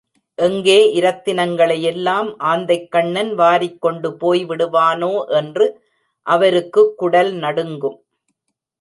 எங்கே இரத்தினங்களையெல்லாம் ஆந்தைக்கண்ணன் வாரிக்கொண்டு போய்விடுவானோ என்று அவருக்குக் குடல் நடுங்கும்.